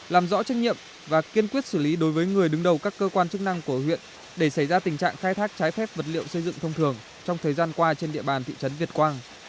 làm rõ trách nhiệm và kiên quyết xử lý đối với người đứng đầu các cơ quan chức năng của huyện để xảy ra tình trạng khai thác trái phép vật liệu xây dựng thông thường trong thời gian qua trên địa bàn thị trấn việt quang